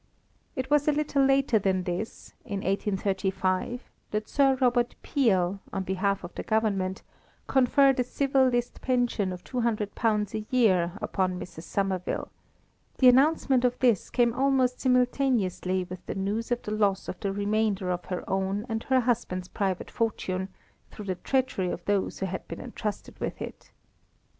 It was a little later than this, in 1835, that Sir Robert Peel, on behalf of the Government, conferred a civil list pension of £200 a year upon Mrs. Somerville; the announcement of this came almost simultaneously with the news of the loss of the remainder of her own and her husband's private fortune, through the treachery of those who had been entrusted with it.